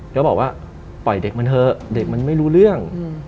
ก็บอกว่าปล่อยเด็กมันเถอะเด็กมันไม่รู้เรื่อง